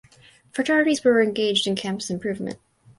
Fraternities were engaged in campus improvement.